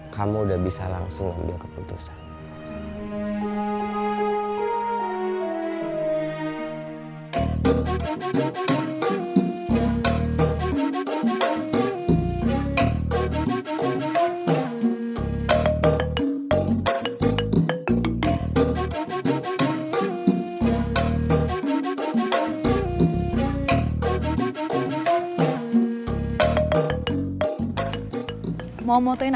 kamu udah bisa langsung ambil keputusan